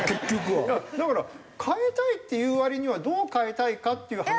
だから「変えたい」って言う割にはどう変えたいかっていう話が。